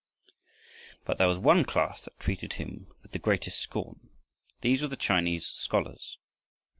But there was one class that treated him with the greatest scorn. These were the Chinese scholars.